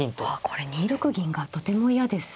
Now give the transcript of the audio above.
これ２六銀がとても嫌です。